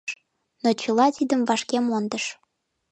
Но чыла тидым вашке мондыш.